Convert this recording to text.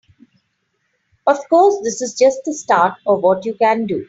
Of course, this is just the start of what you can do.